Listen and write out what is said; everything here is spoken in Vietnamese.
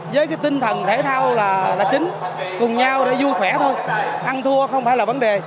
với cái tinh thần thể thao là chính cùng nhau để vui khỏe thôi ăn thua không phải là vấn đề